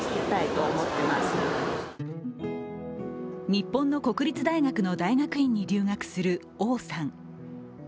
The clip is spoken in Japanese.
日本の国立大学の大学院に留学する王さん。